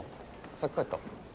先帰った？